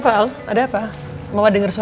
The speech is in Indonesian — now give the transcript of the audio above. ya udah kalau gitu